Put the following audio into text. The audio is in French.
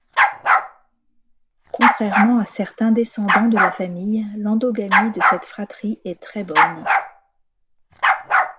Contrairement à certains descendants de la famille, l'endogamie de cette fratrie est très bonne.